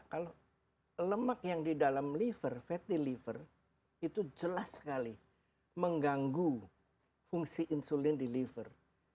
karena lemak yang di dalam liver fatty liver itu jelas sekali mengganggu fungsi insulin di liver